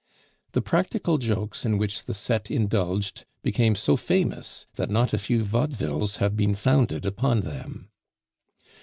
The practical jokes, in which the set indulged became so famous, that not a few vaudevilles have been founded upon them.